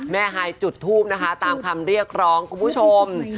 ไฮจุดทูปนะคะตามคำเรียกร้องคุณผู้ชม